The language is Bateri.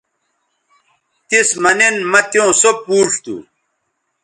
تس مہ نن مہ تیوں سو پوڇ تھو